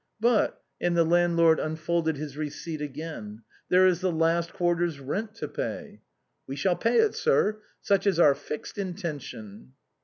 " But," and the landlord unfolded his receipt again, "there is the last quarter's rent to pay." " We shall pay it, sir. Such is our fixed intention."